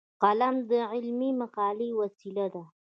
قلم د علمي مقالې وسیله ده